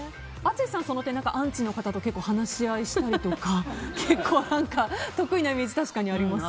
淳さん、その点アンチの方と話し合いをしたりとか結構、得意なイメージ確かにあります。